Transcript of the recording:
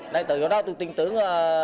nên từ khi đó tôi tin tưởng